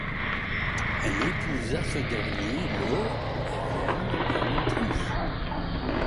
Elle épousa ce dernier le à Vienne en Autriche.